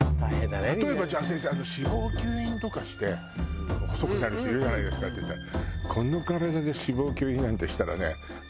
「例えばじゃあ先生脂肪吸引とかして細くなる人いるじゃないですか」って言ったら。